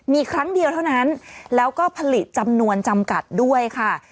มีครั้งเดียวเท่านั้นแล้วก็ผลิตจำนวนจำกัดด้วยค่ะ